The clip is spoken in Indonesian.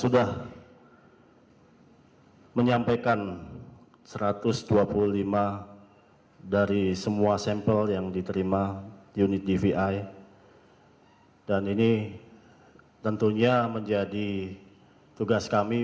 dan ini tentunya menjadi tugas kami